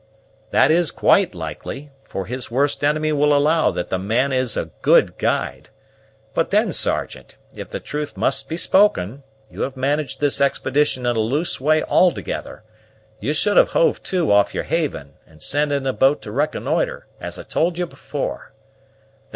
"That is quite likely; for his worst enemy will allow that the man is a good guide; but then, Sergeant, if the truth must be spoken, you have managed this expedition in a loose way altogether. You should have hove to off your haven, and sent in a boat to reconnoitre, as I told you before.